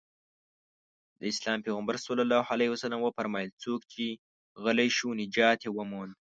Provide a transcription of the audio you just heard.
د اسلام پيغمبر ص وفرمايل څوک چې غلی شو نجات يې ومونده.